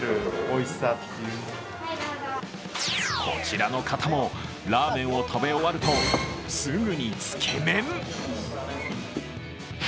こちらの方も、ラーメンを食べ終わるとすぐにつけ麺。